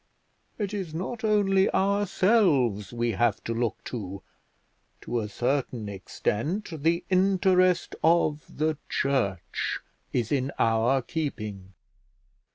It is not only ourselves we have to look to; to a certain extent the interest of the church is in our keeping.